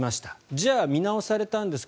じゃあ見直されたんですか。